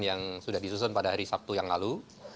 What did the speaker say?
yang sudah disusun pada hari sabtu yang lalu